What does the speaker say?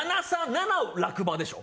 ７を落馬でしょ？